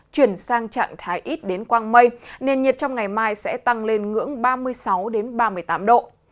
chuyển sang trạng thái ít đến quang mây nền nhiệt trong ngày mai sẽ tăng lên ngưỡng ba mươi sáu ba mươi tám độ